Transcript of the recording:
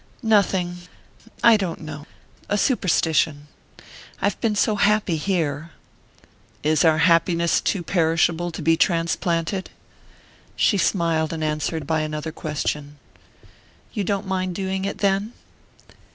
"Nothing...I don't know...a superstition. I've been so happy here!" "Is our happiness too perishable to be transplanted?" She smiled and answered by another question. "You don't mind doing it, then?"